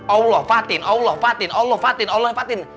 allah patin allah patin allah patin allah patin